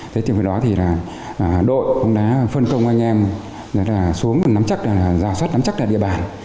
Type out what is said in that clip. đến khi đó đội đã phân công anh em xuống nắm chắc rào xuất nắm chắc địa bàn